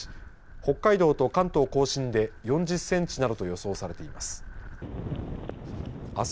北海道と関東甲信で４０センチなどと予想されています。